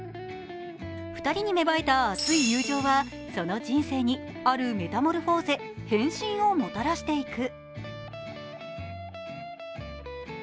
２人に芽生えた熱い友情はあるメタモルフォーゼ、変身をもたらしていく。